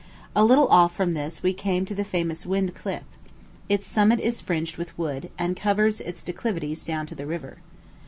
A little off from this we came to the famous Wynd Cliff. Its summit is fringed with wood, and covers its declivities down to the river.